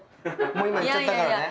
もう今言っちゃったからね。